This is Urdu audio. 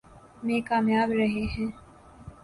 میں کامیاب رہے ہیں۔